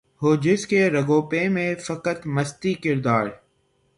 ہو جس کے رگ و پے میں فقط مستی کردار